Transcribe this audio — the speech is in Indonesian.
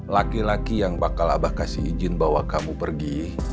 laki laki yang bakal abah kasih izin bawa kamu pergi